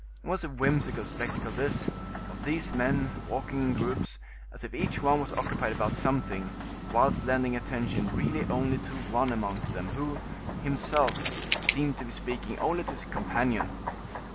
It was a whimsical spectacle this, of these men walking in groups, as if each one was occupied about something, whilst lending attention really only to one amongst them, who, himself, seemed to be speaking only to his companion.